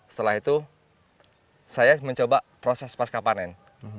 setelah itu saya mencoba proses pasca panen